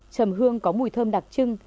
trầm hương có mùi thơm đặc trưng